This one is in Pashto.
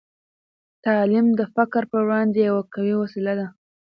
تعلیم د فقر په وړاندې یوه قوي وسله ده.